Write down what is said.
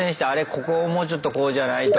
ここをもうちょっとこうじゃない？と。